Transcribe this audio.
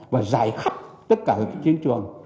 và giải khắc tất cả các chiến trường